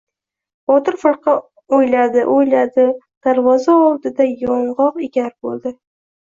Botir firqa o‘iladi-o‘yladi — darvoza oldida... yong‘oq ekar bo‘ldi.